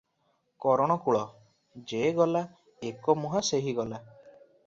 କରଣକୁଳ, ଯେ ଗଲା, ଏକମୁହାଁ ସେହି ଗଲା ।